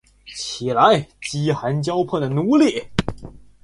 起来，饥寒交迫的奴隶！